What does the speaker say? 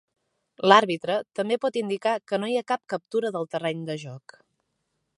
L"àrbitre també pot indicar que no hi ha cap captura del terreny de joc.